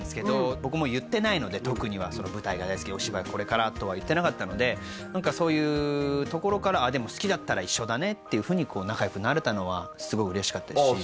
僕も言ってないので特には舞台が大好きお芝居はこれからとは言ってなかったので何かそういうところから好きだったら一緒だねっていうふうに仲よくなれたのはすごい嬉しかったですしあ